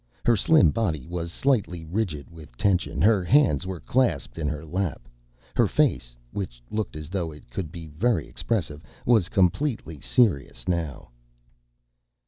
Her slim body was slightly rigid with tension, her hands were clasped in her lap. Her face—which looked as though it could be very expressive—was completely serious now.